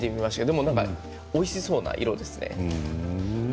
でもおいしそうな色ですね。